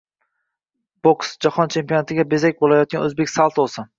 Boks: Jahon chempionatiga bezak bo‘layotgan “O‘zbek saltosi”ng